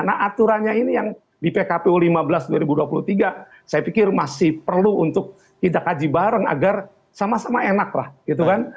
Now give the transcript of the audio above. nah aturannya ini yang di pkpu lima belas dua ribu dua puluh tiga saya pikir masih perlu untuk kita kaji bareng agar sama sama enak lah gitu kan